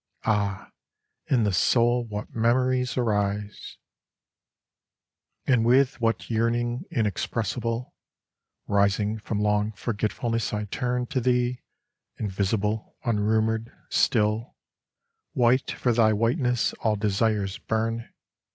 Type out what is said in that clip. Ah, in the soul what memories arise ! And with what yearning inexpressible, Rising from long forgetfulness I turn To Thee, invisible, unrumoured, still : White for Thy whiteness all desires burn.